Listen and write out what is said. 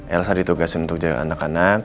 elsa ditugasin untuk jaga anak anak